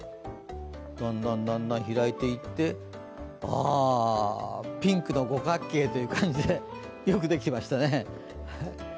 だんだん開いていって、ピンクの五角形という感じでよくできてましたね。